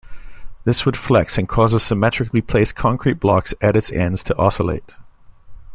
This would flex and cause the symmetrically-placed concrete blocks at its ends to oscillate.